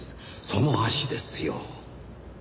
その足ですよ。